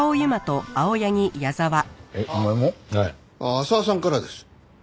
浅輪さんからです。